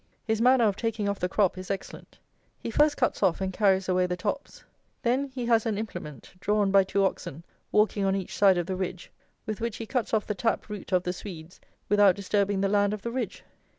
His manner of taking off the crop is excellent. He first cuts off and carries away the tops. Then he has an implement, drawn by two oxen, walking on each side of the ridge, with which he cuts off the tap root of the Swedes without disturbing the land of the ridge.